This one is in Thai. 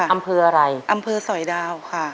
อำเภออะไรอำเภอสอยดาวค่ะ